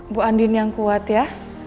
bu andin yang kuat ya